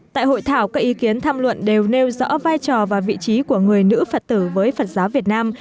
tại hội thảo các ý kiến tham luận đều nêu rõ vai trò và vị trí của người nữ phật tử với phật giáo việt nam